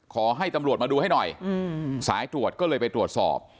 ขอให้ตำรวจมาดูให้หน่อยสายตรวจก็เลยไปตรวจสอบ